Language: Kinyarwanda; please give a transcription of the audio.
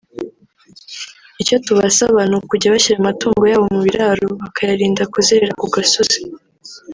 Icyo tubasaba ni ukujya bashyira amatungo yabo mu biraro bakayarinda kuzerera ku gasozi